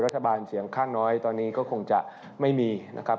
รัฐบาลเสียงฆ่าน้อยตอนนี้ก็คงจะไม่มีนะครับ